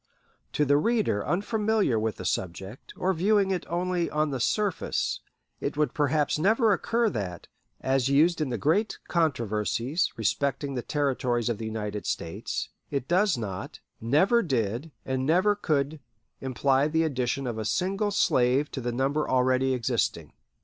To the reader unfamiliar with the subject, or viewing it only on the surface, it would perhaps never occur that, as used in the great controversies respecting the Territories of the United States, it does not, never did, and never could, imply the addition of a single slave to the number already existing.